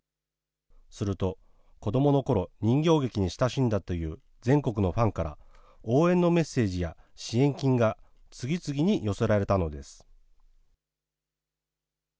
すると、子どものころ、人形劇に親しんだという、全国のファンから、応援のメッセージや支援金が次々に寄せられたのです。